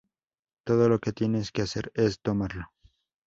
Todo lo que tienes que hacer es tomarlo".